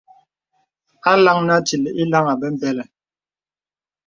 A LAŋ Nə Atīl īlaŋī bə̀mbələ̀.